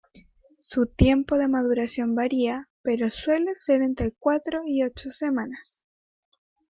Su tiempo de maduración varía, pero suele ser entre cuatro y ocho semanas.